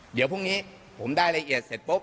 เดี๋ยวพรุ่งนี้ผมได้ละเอียดเสร็จปุ๊บ